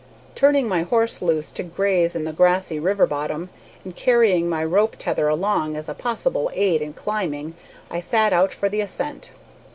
Turning my horse loose to graze in the grassy river bottom, and carrying my rope tether along as a possible aid in climbing, I set out for the ascent.